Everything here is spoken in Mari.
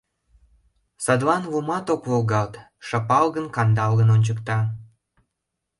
Садлан лумат ок волгалт, шапалгын-кандалгын ончыкта.